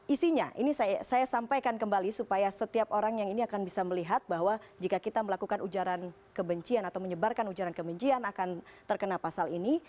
isinya ini saya sampaikan kembali supaya setiap orang yang ini akan bisa melihat bahwa jika kita melakukan ujaran kebencian atau menyebarkan ujaran kebencian akan terkena pasal ini